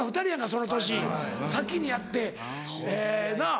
その年先にやって。なぁ。